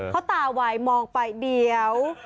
เขาตาวายมองไปเดี๋ยว